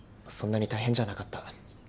そんなに大変じゃなかった。